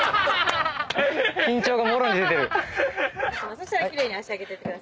そしたら奇麗に脚上げててください。